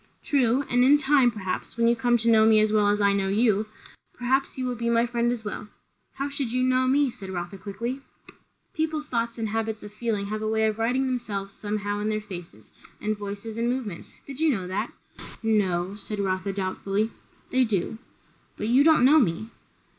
"True; and in time, perhaps, when you come to know me as well as I know you, perhaps you will be my friend as well." "How should you know me?" said Rotha quickly. "People's thoughts and habits of feeling have a way of writing themselves somehow in their faces, and voices, and movements. Did you know that?" "No " Rotha said doubtfully. "They do." "But you don't know me."